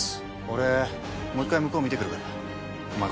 俺もう一回向こう見てくるからお前